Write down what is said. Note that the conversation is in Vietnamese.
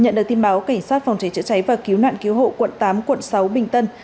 nhận được tin báo cảnh sát phòng cháy chữa cháy và cứu nạn cứu hộ quận tám quận sáu bình tân